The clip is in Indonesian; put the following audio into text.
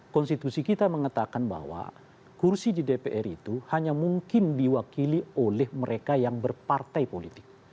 konstitusi kita mengatakan bahwa kursi di dpr itu hanya mungkin diwakili oleh mereka yang berpartai politik